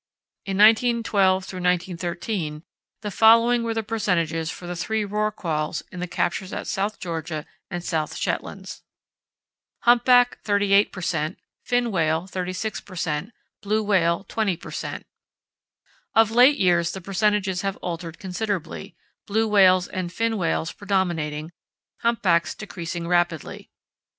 In 1912–13 the following were the percentages for the three rorquals in the captures at South Georgia and South Shetlands: Humpback 38 per cent., fin whale 36 per cent., blue whale 20 per cent. Of late years the percentages have altered considerably, blue whales and fin whales predominating, humpbacks decreasing rapidly.